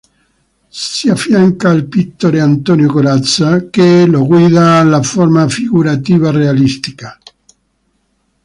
Si affianca al pittore Antonio Corazza che lo guida alla forma figurativa realistica.